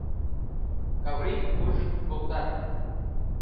Каврий куржык колта.